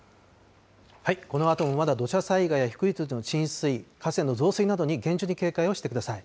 このあともまだ土砂災害や低い土地の浸水、河川の増水などに厳重に警戒をしてください。